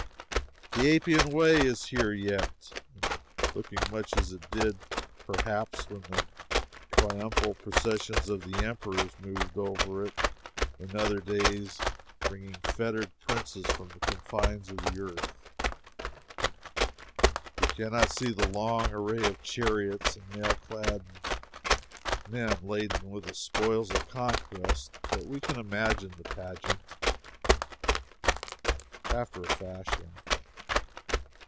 The Appian Way is here yet, and looking much as it did, perhaps, when the triumphal processions of the Emperors moved over it in other days bringing fettered princes from the confines of the earth. We can not see the long array of chariots and mail clad men laden with the spoils of conquest, but we can imagine the pageant, after a fashion.